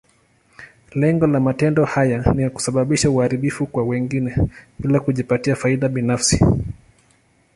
Lengo la matendo haya ni kusababisha uharibifu kwa wengine, bila kujipatia faida binafsi.